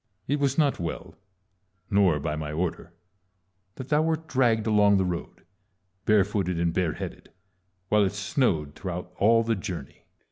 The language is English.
It was not well, nor by my order, that thou wert dragged along the road, barefooted and bareheaded, while it snowed throughout all the journey.